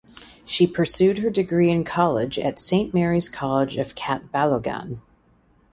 She pursued her degree in college at Saint Mary’s College of Catbalogan.